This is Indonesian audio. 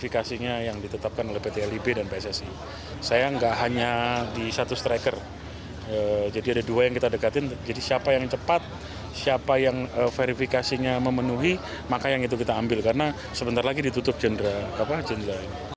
karena sebentar lagi ditutup jenderal